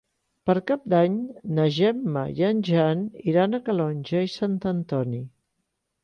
Per Cap d'Any na Gemma i en Jan iran a Calonge i Sant Antoni.